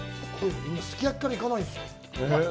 すき焼きから行かないんですね！？